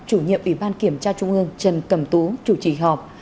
chủ nhiệm ủy ban kiểm tra trung ương trần cầm tú chủ trì họp